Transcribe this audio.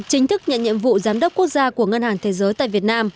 chính thức nhận nhiệm vụ giám đốc quốc gia của ngân hàng thế giới tại việt nam